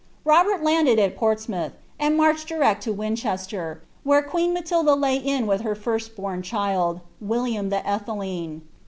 Robert landed at Portsmouth, and marched direct to Winchester, where queen Matilda then lay in with her flrst born child, William the Atheling.